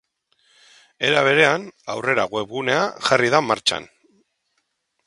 Era berean, aurrera webgunea jarri da martxan.